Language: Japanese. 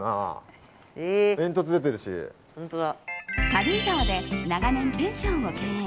軽井沢で長年ペンションを経営。